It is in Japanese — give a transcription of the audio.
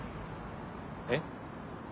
えっ？